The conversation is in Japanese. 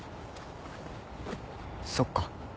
そっか。